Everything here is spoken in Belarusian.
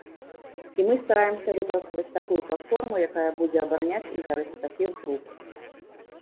І мы стараемся выпрацаваць такую платформу, якая будзе абараняць інтарэсы такіх груп.